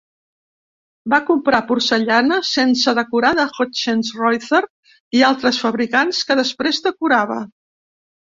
Va comprar porcellana sense decorar de Hutschenreuther i altres fabricants, que després decorava.